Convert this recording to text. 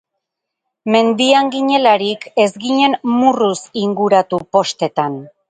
Mendian ginelarik ez ginen murruz inguratu postetan.